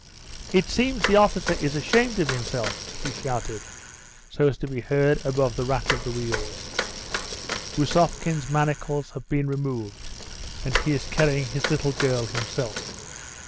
"It seems the officer is ashamed of himself," she shouted, so as to be heard above the rattle of the wheels. "Bousovkin's manacles have been removed, and he is carrying his little girl himself.